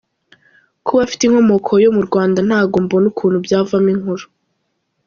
kuba afite inkomoko yo murwnda ntago mbona ukuntu byavamo inkuru.